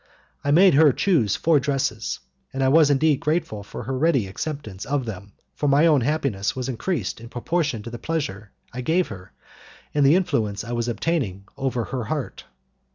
I made her choose four dresses, and I was indeed grateful for her ready acceptance of them, for my own happiness was increased in proportion to the pleasure I gave her and the influence I was obtaining over her heart.